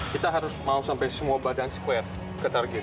kita harus mau sampai semua badan square ke target